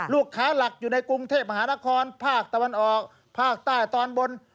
หลักอยู่ในกรุงเทพมหานครภาคตะวันออกภาคใต้ตอนบน